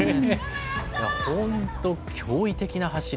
本当驚異的な走り。